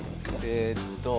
えっと